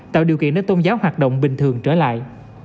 tạo điều kiện để tôn giáo hoạt động bình thường trở lại